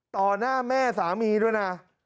หน้าแม่สามีด้วยนะ